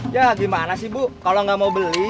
ya gimana sih bu kalau nggak mau beli